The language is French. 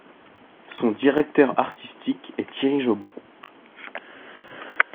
Son directeur artistique est Thierry Jobin.